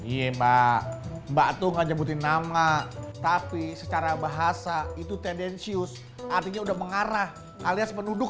iya mbak mbak tuh nggak nyebutin nama tapi secara bahasa itu tendensius artinya udah mengarah alias penduduk